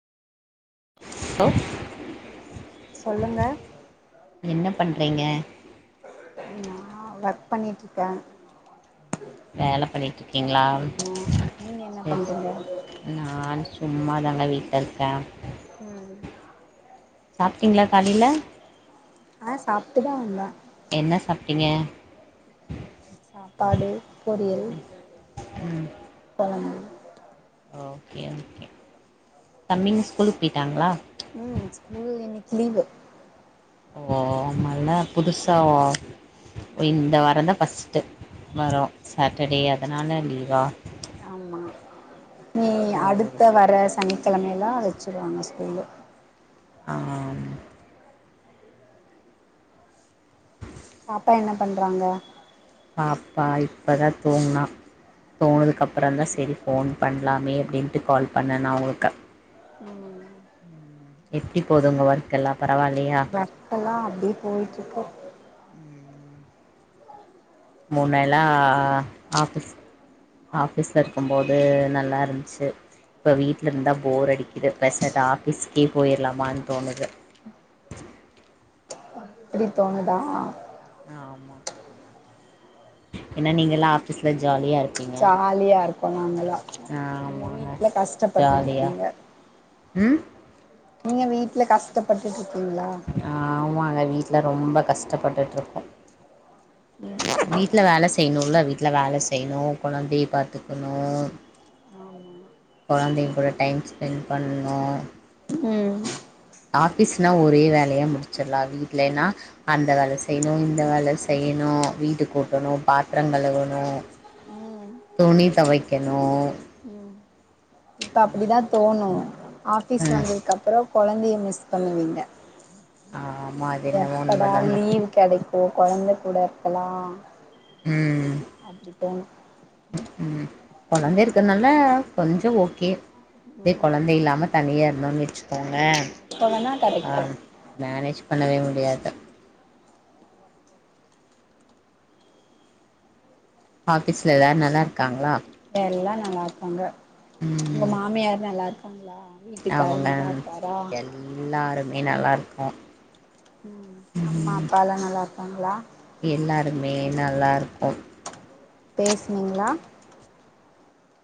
hello சொல்லுங்க என்ன பண்றீங்க நான் ஒர்க் பண்ணிட்ருக்கேன் வேல பண்ணிட்டு இருக்கீங்ளா ம் நீங்க என்ன சேரி பண்றீங்க சேரி நா சும்மா தாங்க வீட்ல இருக்கே ம் சாப்ட்டீங்களா காலயில ஆ சாப்ட்டுதா வந்தே என்ன சாப்டிங்க சாப்பாடு பொரியல் ம் கொழம்பு ஓகே ஓகே தம்பிங்க ஸ்கூலுக்கு பேய்ட்டாங்ளா உம் ஸ்கூல் இன்னக்கி லீவு ஓ ஆமால்ல புதுசா ஒ இந்த வாரோ தா ஃபர்ஸ்ட்டு வரோ சாட்டர்டே அதுனால லீவா ஆமா நீ சரி அடுத்த வர சனிக்கெழமயல்லா வச்சுருவாங்க ஸ்கூலு ஆம் பாப்பா என்ன பண்றாங்க பாப்பா இப்பதா தூங்னா துங்கனதுகப்றோந்தா சரி ஃபோன் பண்லாமே அப்டின்ட்டு கால் பண்ணே நா உங்களுக்கு உம் எப்டி போது உங்க ஒர்க் எல்லா பரவாயில்லியா ஒர்க் எல்லா அப்டியே போயிட்ருக்கு மூண்ணேலா ஆபீஸ் ஆஃபீஸ்ல இருக்குபோது நல்லா இருந்துச்சு இப்ப வீட்ல இருந்தா போர் அடிக்குது பேசட் ஆஃபிஸ்க்கே போயிர்லாமானு தோணுது இப்டி தோணுதா அ ஆமா என்ன நீங்கல்லா ஆஃபீஸ்ல ஜாலியா இர் ஜாலியா இருக்கோ நாங்களா நீங்க ஆமாங்க வீட்ல கஷ்டப்பட்டுட்டு இருக்கீங்க உம் நீங்க வீட்ல கஷ்டப்பட்டுட்டு இருக்கீங்களா ஆமாங்க வீட்ல ரொம்ப கஷ்டப்பட்டுட்டுருக்கோ வீட்ல வேல செய்ணுல்ல வீட்ல வேல செய்ணு கொழந்தைய பாத்துக்குணு [unintelligible] கொழந்தைங்க கூட டைம் ஸ்பென்ட் பண்ணணு ம் ஆஃபிஸ்னா ஒரே வேலயா முடிச்சிர்லா வீட்லன்னா அந்த வேல செய்ணு இந்த வேல செய்ணு வீட்டு கூட்டணு பாத்ரோ கழுவணு ம் துணி தொவைக்கணு இப்ப அப்டிதா தோணு ஆஃபீஸ் ம் வந்ததுக்கு அப்றோ கொழந்தைய மிஸ் பண்ணுவீங்க ஆமா என்னமோ எப்படா உண்மதாங்க லீவ் கெடைக்கும் கொழந்தை கூட இருக்கலா ம் அப்டி தோணு ம் கொழந்தை இருக்கறதுனால கொஞ்சோ ஓகே இதே ம் கொழந்தை இல்லாம தனியா இருந்தோன்னு வச்சுக்கோங்க ஆமா இப்ப வேணா ஆ கரெக்ட்டு மேனேஜ் பண்ணவே முடியாது ஆஃபீஸ்ல எல்லாரும் நல்லா இருக்காங்ளா எல்லா நல்லா இருக்காங்க உங்க ம் மாமியார் நல்லா இருக்காங்ளா வீட்டுக்காரு அவங்க நல்லா இருக்காரா எல்லாருமே நல்லா இருக்கோ ம் ம் அம்மா அப்பாலா நல்லா இருக்காங்ளா எல்லாருமே நல்லா இருக்கோ பேசினீங்ளா